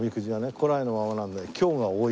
古来のままなので凶が多い。